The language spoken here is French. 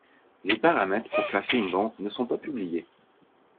Les paramètres pour classer une banque ne sont pas publiés.